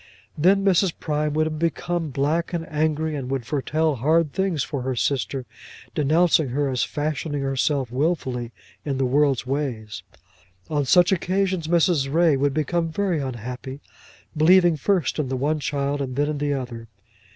Then Mrs. Prime would become black and angry, and would foretell hard things for her sister, denouncing her as fashioning herself wilfully in the world's ways. On such occasions Mrs. Ray would become very unhappy, believing first in the one child and then in the other.